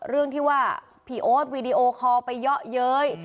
เรื่องที่ว่าพี่โอ๊ตวีดีโอคอลไปเยาะเย้ย